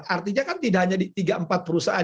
artinya kan tidak hanya di tiga empat perusahaan